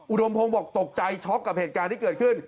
อุดมพงศ์บอกตกใจช็อกกับเหตุการณ์ที่เกิดขึ้น